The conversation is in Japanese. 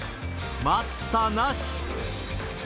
待ったなし。